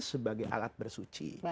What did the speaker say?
sebagai alat bersuci